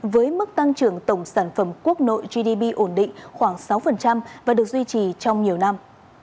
với mức tăng trưởng tổng sản phẩm quốc nội gdp ổn định khoảng sáu và được duy trì trong nhiều năm